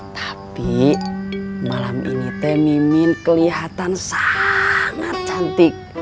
tapi malam ini teh mimin kelihatan sangat cantik